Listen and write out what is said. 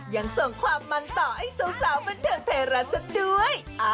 ยังส่งความมันต่อให้สาวบันเทิงไทยรัฐสักด้วย